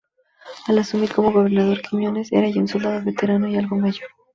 Al asumir como gobernador, Quiñones era ya un soldado veterano y algo mayor.